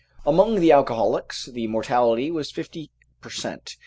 Among the alcoholics the mortality was fifty per cent.